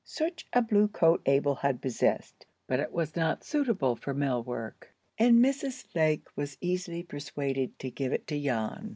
Such a blue coat Abel had possessed, but it was not suitable for mill work, and Mrs. Lake was easily persuaded to give it to Jan.